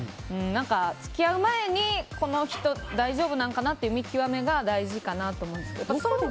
付き合う前にこの人大丈夫なんかなって見極めが大事かなと思います。